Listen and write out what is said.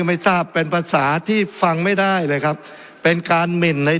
ไม่ทราบเป็นภาษาที่ฟังไม่ได้เลยครับเป็นการหมิ่นใน